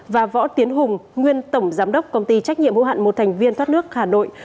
và võ tiến hùng nguyên tổng giám đốc công ty trách nhiệm hữu hạn một thành viên thoát nước hà nội